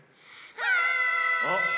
はい！